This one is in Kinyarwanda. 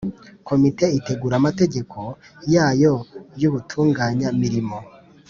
Komite itegura amategeko yayo y’ubutunganya-mirimo.